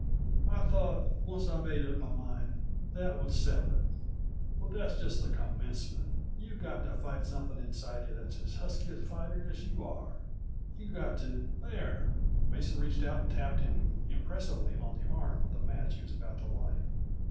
I thought, once I made up my mind, that would settle it. But that's just the commencement; you've got to fight something inside of you that's as husky a fighter as you are. You've got to " "There!" Mason reached out and tapped him impressively on the arm with a match he was about to light.